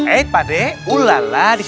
eh pak ustadz